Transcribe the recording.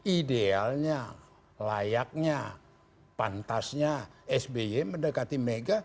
idealnya layaknya pantasnya sby mendekati mega